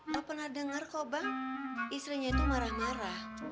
lo pernah denger kok bang istrinya itu marah marah